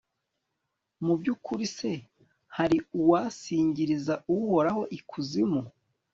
mu by'ukuri se, hari uwasingiriza uhoraho ikuzimu